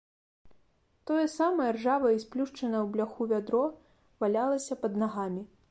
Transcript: Тое самае ржавае і сплюшчанае ў бляху вядро валялася пад нагамі.